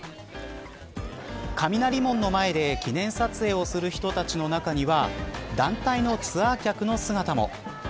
雷門の前で記念撮影をする人たちの中には団体のツアー客の姿も。